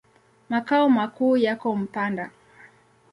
Makao makuu yako Mpanda.